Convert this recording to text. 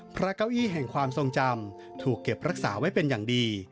เก้าอี้แห่งความทรงจำถูกเก็บรักษาไว้เป็นอย่างดี